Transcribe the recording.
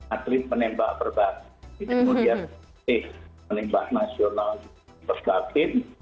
atlet penembak berbatin penembak nasional berbatin